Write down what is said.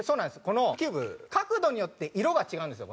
このキューブ角度によって色が違うんですよ。